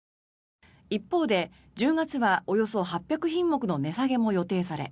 一方で１０月はおよそ８００品目の値下げも予定され